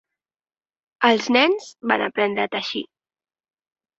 Els nens van aprendre a teixir.